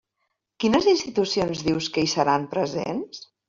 Quines institucions dius que hi seran presents?